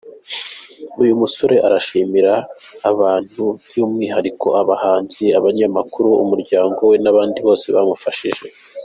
Uyu musore arashimira abantu by’umwihariko abahanzi, abanyamakuru, umuryango we n’abandi bose bamufashije.